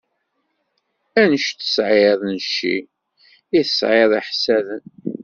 Anect tesɛiḍ n cci, i tesɛiḍ iḥessaden.